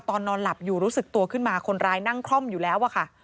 นอนหลับอยู่รู้สึกตัวขึ้นมาคนร้ายนั่งคล่อมอยู่แล้วอะค่ะ